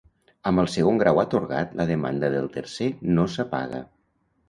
Amb el segon grau atorgat, la demanda del tercer no s’apaga.